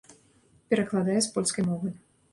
Перакладае з польскай мовы.